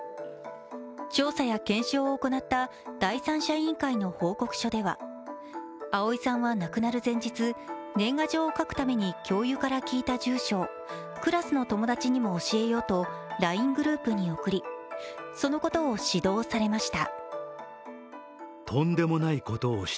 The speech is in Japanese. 調査や検証を行った第三者委員会の報告書では碧さんは亡くなる前日、年賀状を書くために教諭から聞いた住所をクラス友達にも教えようとＬＩＮＥグループに送りそのことを指導されました。